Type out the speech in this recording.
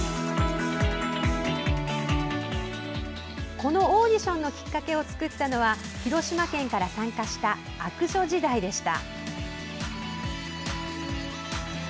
このオーディションのきっかけを作ったのは広島県から参加した悪女時代でした。